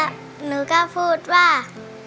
แล้วหนูก็พูดว่า